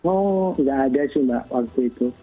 oh nggak ada sih mbak waktu itu